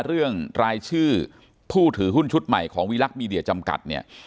เรื่องรายชื่อผู้ถือหุ้นชุดใหม่ของวิลักษ์มีเดียจำกัดเนี่ย